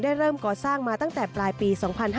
เริ่มก่อสร้างมาตั้งแต่ปลายปี๒๕๕๙